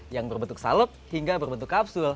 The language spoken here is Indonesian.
yang berbentuk salep hingga berbentuk kapsul